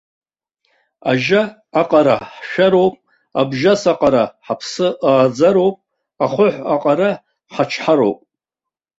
Ажьа аҟара ҳшәароуп, абжьас аҟара ҳаԥсы ааӡароуп, ахаҳә аҟара ҳачҳароуп!